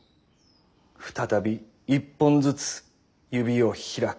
再び一本ずつ指を開く。